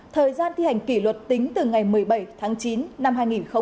thời gian thi hành kỷ luật tính từ ngày một mươi bảy tháng chín năm hai nghìn một mươi chín